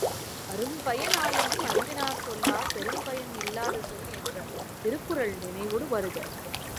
அரும்பயன் ஆயும் அறிவினார் சொல்லார் பெரும்பயன் இல்லாத சொல் என்ற திருக்குறள் நினைவொடு வருக!